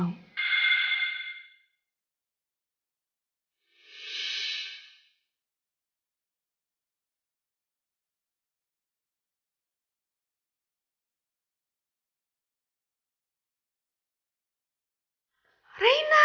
kan aku udah bilang aku gak mau